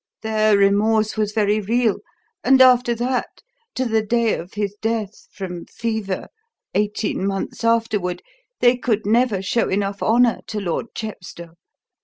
Their remorse was very real, and after that, to the day of his death from fever, eighteen months afterward, they could never show enough honour to Lord Chepstow.